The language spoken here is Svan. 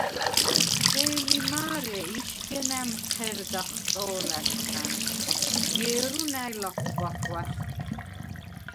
სემი მა̄რე იშგენ ა̈მჴერდახ ჭო̄ლა̈შხა̈ნ, ჲერუ ნა̈ჲ ლახვბა ხვა̈სვდ.